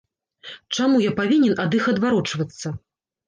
Чаму я павінен ад іх адварочвацца?